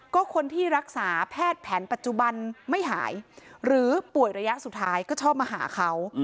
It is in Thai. ก็คนที่รักษาแพทย์แผนปัจจุบันไม่หายหรือป่วยระยะสุดท้ายก็ชอบมาหาเขา